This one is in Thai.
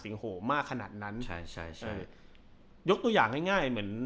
โหมากขนาดนั้นใช่ใช่ใช่ยกตัวอย่างง่ายง่ายเหมือน